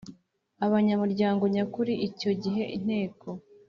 abanyamuryango nyakuri Icyo gihe Inteko